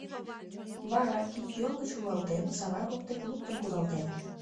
Вара, кид-йол гыч руалтен, савар воктек луктын кудалтеныт.